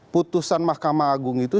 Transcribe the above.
putusan makamah agung itu